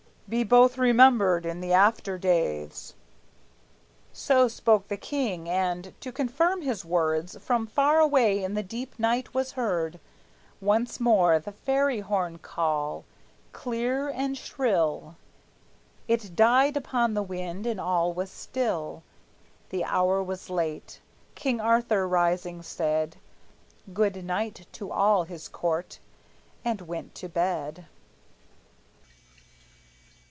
Be both remembered in the after days!" So spoke the king, and, to confirm his word, From far away in the deep night was heard Once more the fairy horn call, clear and shrill; It died upon the wind, and all was still. The hour was late. King Arthur, rising, said Good night to all his court, and went to bed.